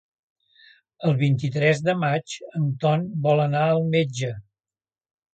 El vint-i-tres de maig en Ton vol anar al metge.